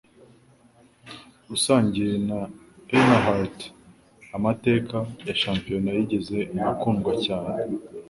usangiye na Earnhardt amateka ya shampionat, yigeze akundwa cyane